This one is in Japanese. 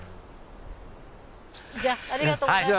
じゃあありがとうございました。